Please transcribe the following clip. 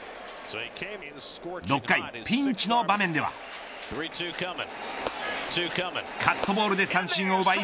６回、ピンチの場面ではカットボールで三振を奪い